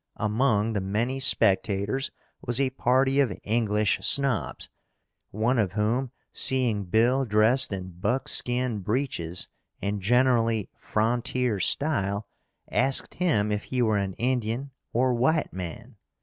Among the many spectators was a party of English snobs, one of whom seeing Bill dressed in buckskin breeches and generally frontier style, asked him if he were an Indian or white man.